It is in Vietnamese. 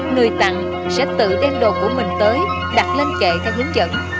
người tặng sẽ tự đem đồ của mình tới đặt lên kệ theo dưới chợ